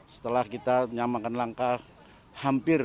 setelah kita menyamakan langkah hampir